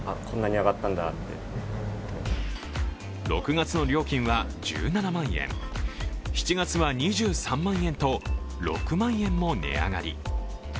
６月の料金は１７万円７月は２３万円と６万円も値上がり。